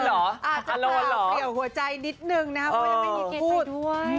อาโลวันเหรออาจจะเกี่ยวหัวใจนิดนึงนะครับเพราะยังไม่มีเกรดไปด้วย